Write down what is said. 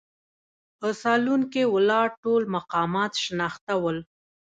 په سالون کې ولاړ ټول مقامات شناخته ول.